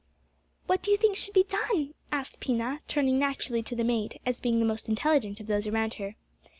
"What do you think should be done?" asked Pina, turning naturally to the mate, as being the most intelligent of those around her.